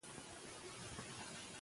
زده کړې نجونې د باور وړ معلومات خپروي.